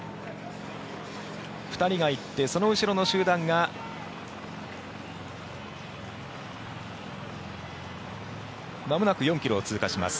２人が行ってその後ろの集団がまもなく４ｋｍを通過します。